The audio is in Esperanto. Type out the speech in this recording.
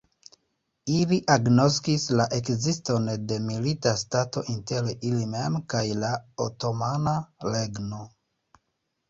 Ili agnoskis la ekziston de milita stato inter ili mem kaj la Otomana Regno.